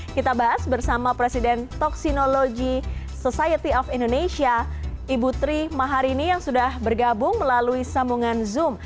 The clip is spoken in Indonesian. kita bahas bersama presiden toksinologi society of indonesia ibu tri maharini yang sudah bergabung melalui sambungan zoom